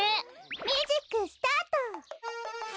ミュージックスタート！